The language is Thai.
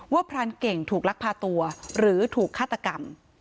พรานเก่งถูกลักพาตัวหรือถูกฆาตกรรม